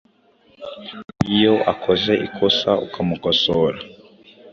iyo akoze ikosa ukamukosora